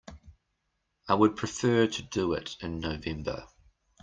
I would prefer to do it in November.